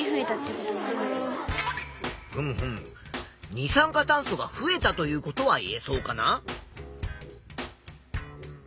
二酸化炭素が増えたということは言えそうかな。